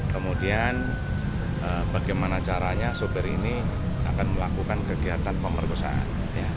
kemudian bagaimana caranya sopir ini akan melakukan kegiatan pemerkosaan